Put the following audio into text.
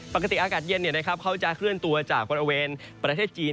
อากาศเย็นเขาจะเคลื่อนตัวจากบริเวณประเทศจีน